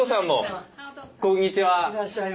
いらっしゃいませ。